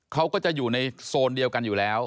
เขาก็จะอยู่ในโซนเดียวกันอยู่แล้ว